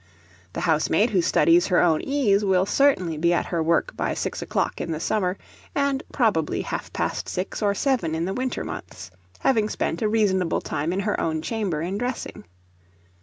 The housemaid who studies her own ease will certainly be at her work by six o'clock in the summer, and, probably, half past six or seven in the winter months, having spent a reasonable time in her own chamber in dressing.